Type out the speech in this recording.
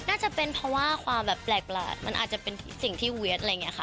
น่าจะเป็นเพราะว่าความแบบแปลกมันอาจจะเป็นสิ่งที่เวียดอะไรอย่างนี้ค่ะ